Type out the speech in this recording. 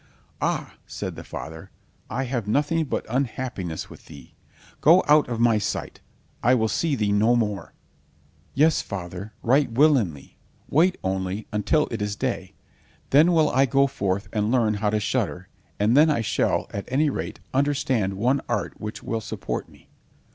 "Ah," said the father, "I have nothing but unhappiness with thee. Go out of my sight. I will see thee no more." "Yes, father, right willingly, wait only until it is day. Then will I go forth and learn how to shudder, and then I shall, at any rate, understand one art which will support me."